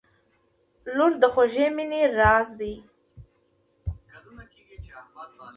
• لور د خوږې مینې راز دی.